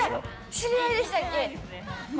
知り合いでしたっけ？